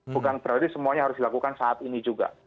bukan berarti semuanya harus dilakukan saat ini juga